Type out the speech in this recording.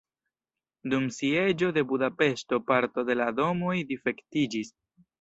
Dum sieĝo de Budapeŝto parto de la domoj difektiĝis.